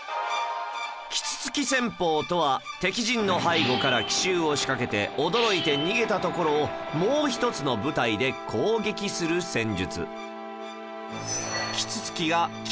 啄木鳥戦法とは敵陣の背後から奇襲を仕掛けて驚いて逃げたところをもう一つの部隊で攻撃する戦術